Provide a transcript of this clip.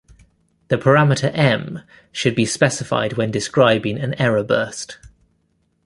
The parameter "m" should be specified when describing an error burst.